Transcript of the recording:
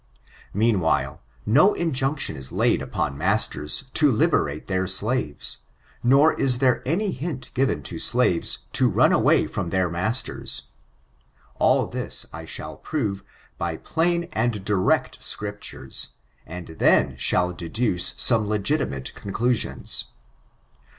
Meanwhile, no injunction is laid upon masters to > liberate their slaves; nor is there any hint given to slaves to run away from their masters. All this I I shall prove by plain and direct Scriptures, and then \ shall deduce some legitimate conclusions.